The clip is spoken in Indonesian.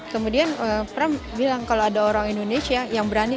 kemudian trump bilang kalau ada orang indonesia yang berani